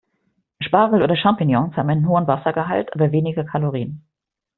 Spargel oder Champignons haben einen hohen Wassergehalt, aber wenige Kalorien.